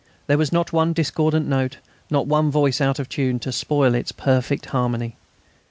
There was not one discordant note, not one voice out of tune, to spoil its perfect harmony.